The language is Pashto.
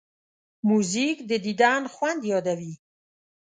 موزیک د دیدن خوند یادوي.